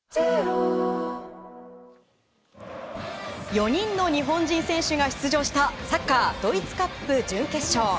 ４人の日本人選手が出場したサッカー、ドイツカップ準決勝。